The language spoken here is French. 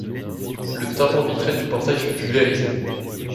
Le tympan vitré du portail fut pulvérisé.